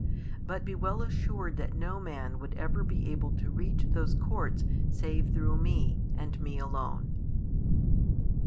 But be well assured that no man would ever be able to reach those courts save through Me, and Me alone."